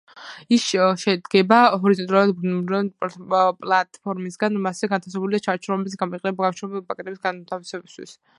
ის შედგება ჰორიზონტალურად მბრუნავი პლატფორმისგან, მასზე განთავსებულია ჩარჩო, რომელიც გამოიყენება გამშვები პაკეტების განთავსებისათვის.